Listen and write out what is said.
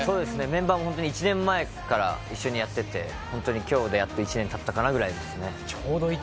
メンバーも本当に１年前から一緒にやっていて、今日でやっと１年たったかなぐらいの感じですね。